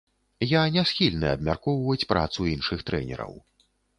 Я не схільны абмяркоўваць працу іншых трэнераў.